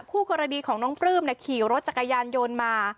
คู่กรณีของน้องปลื้มขี่รถจักรยานยนต์มา